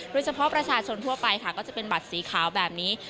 โดยเฉพาะประชาชนทั่วไปค่ะก็จะเป็นบัตรสีขาวแบบนี้